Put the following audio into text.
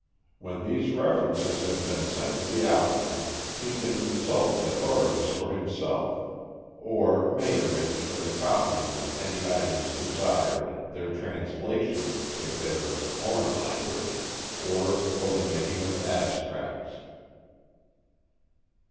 When these references have been sent to the applicant, he can consult the authorities for himself, or may arrange for the copying of any items desired, their translation, if they are in a foreign language, or for the making of abstracts.